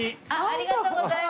ありがとうございます！